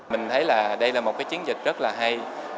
mình thấy là đây là một cái chiến dịch rất là hay